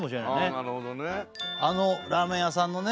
なるほどねあのラーメン屋さんのね